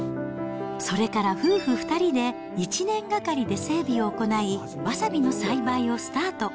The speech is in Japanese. それから夫婦２人で１年がかりで整備を行い、わさびの栽培をスタート。